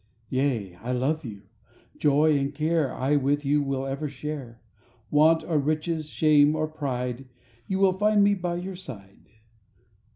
... Yea, I love you! joy and care I with you will ever share, Want or riches, shame or pride— You will find me by your side.